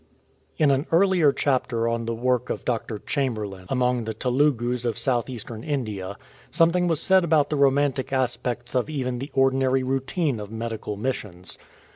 IN an earlier chapter on the work of Dr. Chamherlain among the Tehigus of south eastern India, something was said about the romantic aspects of even the ordinary routine of medical missions.